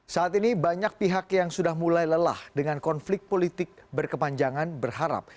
saat ini banyak pihak yang sudah mulai lelah dengan konflik politik berkepanjangan berharap